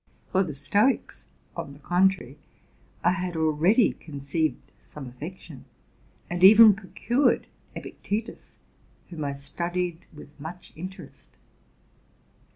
For the Stoics, on the contrary, I had already conceived some affection, and even procured E pic tetus, whom I studied with much interest.